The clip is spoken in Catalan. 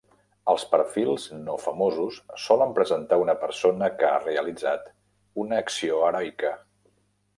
Els perfils no famosos solen presentar una persona que ha realitzat una acció heroica.